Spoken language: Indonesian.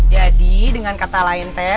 jadi dengan kata lain teh